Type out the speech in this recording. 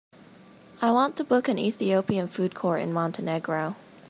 I want to book a ethiopian food court in Montenegro.